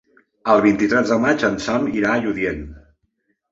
El vint-i-tres de maig en Sam irà a Lludient.